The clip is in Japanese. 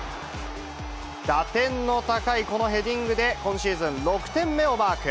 打点の高いこのヘディングで、今シーズン６点目をマーク。